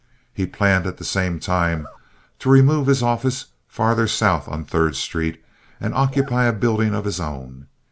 He planned at the same time to remove his office farther south on Third Street and occupy a building of his own.